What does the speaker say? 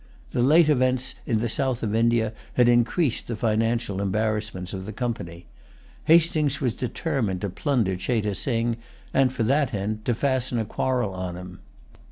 The late events in the south of India had increased the financial embarrassments of the Company. Hastings was determined to plunder Cheyte Sing, and, for that end, to fasten a quarrel on him.